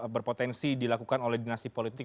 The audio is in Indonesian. berpotensi dilakukan oleh dinasti politik